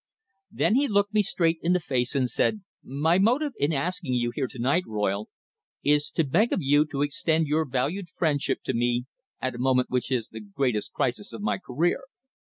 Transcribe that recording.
Then he looked me straight in the face and said: "My motive in asking you here to night, Royle, is to beg of you to extend your valued friendship to me at a moment which is the greatest crisis of my career.